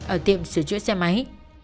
ở tiệm sửa chữa xe máy